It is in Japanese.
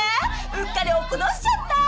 うっかり落っことしちゃった。